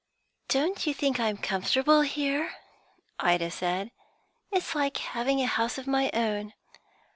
"Don't you think I'm comfortable here?" Ida said. "It's like having a house of my own.